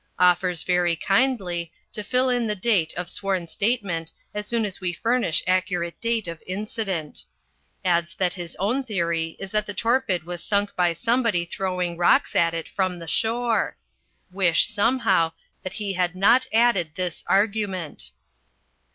Offers, very kindly, to fill in the date of sworn statement as soon as we furnish accurate date of incident. Adds that his own theory is that the Torpid was sunk by somebody throwing rocks at it from the shore. Wish, somehow, that he had not added this argument.